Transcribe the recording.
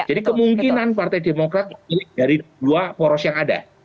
jadi kemungkinan partai demokrat memilih dari dua poros yang ada